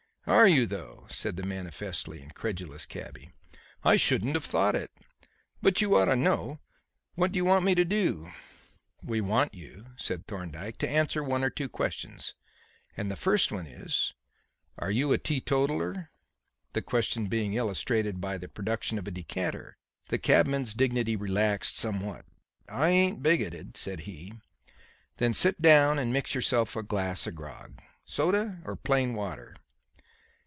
"Are you though?" said the manifestly incredulous cabby. "I shouldn't have thought it; but you ought to know. What do you want me to do?" "We want you," said Thorndyke, "to answer one or two questions. And the first one is, Are you a teetotaller?" The question being illustrated by the production of a decanter, the cabman's dignity relaxed somewhat. "I ain't bigoted," said he. "Then sit down and mix yourself a glass of grog. Soda or plain water?"